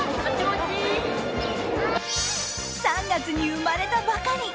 ３月に生まれたばかり！